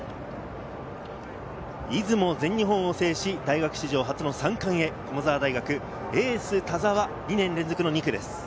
出雲、全日本を制し、大学史上初の三冠へ駒澤大学エース・田澤、２年連続の２区です。